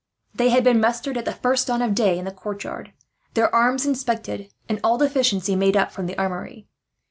They had been mustered at the first dawn of day in the courtyard, their arms inspected, and all deficiencies made up from the armoury.